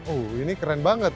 uh ini keren banget